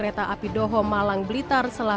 ngebak udah itu doang jadiannya